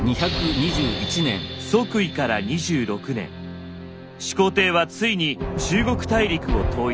即位から２６年始皇帝はついに中国大陸を統一。